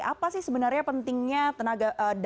apa sih sebenarnya pentingnya tenaga kesehatan